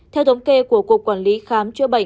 theo thống kê của cục quản lý khám